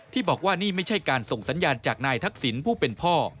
บอกว่านี่ไม่ใช่การส่งสัญญาณจากนายทักษิณผู้เป็นพ่อ